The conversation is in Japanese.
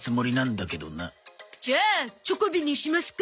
じゃあチョコビにしますか。